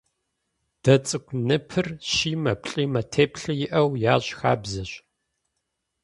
Дэ цӀыкӀу ныпыр щимэ, плӀимэ теплъэ иӏэу ящӀ хабзэщ.